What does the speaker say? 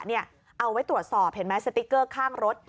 เอาไว้ตรวจสอบเห็นไหมสติ๊กเกอร์ข้างรถ